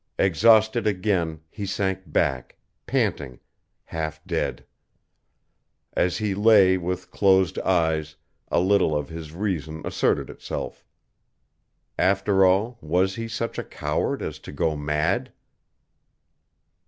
Exhausted again, he sank back, panting, half dead. As he lay with closed eyes a little of his reason asserted itself. After all, was he such a coward as to go mad?